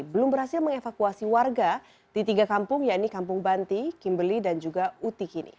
belum berhasil mengevakuasi warga di tiga kampung yaitu kampung banti kimbeli dan juga utikini